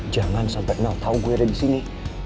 jangan sampai mel tau gue ada di sini